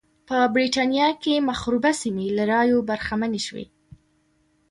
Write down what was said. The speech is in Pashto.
په برېټانیا کې مخروبه سیمې له رایو برخمنې شوې.